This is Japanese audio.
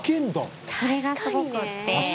これがすごくって。